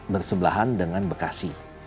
berseberahan dengan bekasi